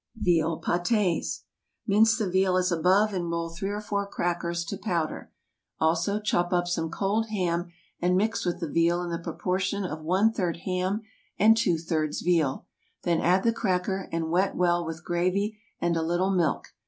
VEAL PÂTÉS. Mince the veal as above, and roll three or four crackers to powder. Also, chop up some cold ham and mix with the veal in the proportion of one third ham and two thirds veal. Then add the cracker, and wet well with gravy and a little milk.